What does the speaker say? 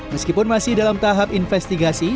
meskipun masih dalam tahap investigasi